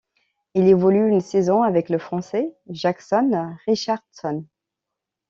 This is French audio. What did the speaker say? Il évolue une saison avec le Français Jackson Richardson.